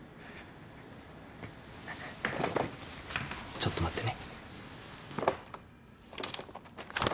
ちょっと待ってね。